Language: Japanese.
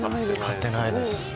飼ってないです